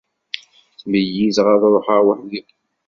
Ttmeyyizeɣ ad ruḥeɣ weḥd-i.